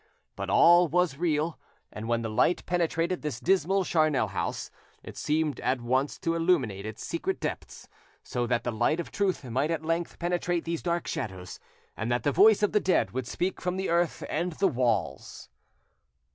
But all was real and when light penetrated this dismal charnel house it seemed at once to illuminate its secret depths, so that the light of truth might at length penetrate these dark shadows, and that the voice of the dead would speak from the earth and the walls.